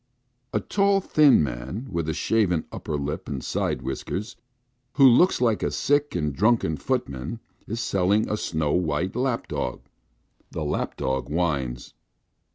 A tall thin man, with a shaven upper lip and side whiskers, who looks like a sick and drunken footman, is selling a snow white lap dog. The old lap dog whines.